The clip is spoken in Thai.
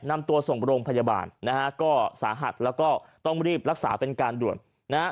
นำตัวส่งโรงพยาบาลนะฮะก็สาหัสแล้วก็ต้องรีบรักษาเป็นการด่วนนะฮะ